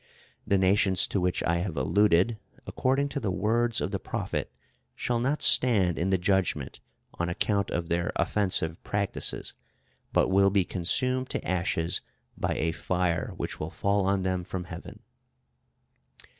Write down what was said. The nations to which I have alluded, according to the words of the prophet, shall not stand in the judgment, on account of their offensive practices, but will be consumed to ashes by a fire which will fall on them from heaven.